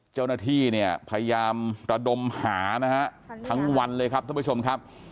เจ้าหน้าที่เนี่ยพยายามระดมหานะฮะทั้งวันเลยครับท่านผู้ชมครับ